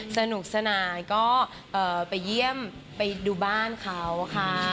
สนุกสนานก็ไปเยี่ยมไปดูบ้านเขาค่ะ